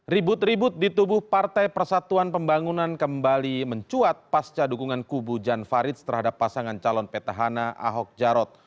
ribut ribut di tubuh partai persatuan pembangunan kembali mencuat pasca dukungan kubu jan faridz terhadap pasangan calon petahana ahok jarot